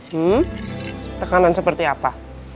hmm tekanan seperti apa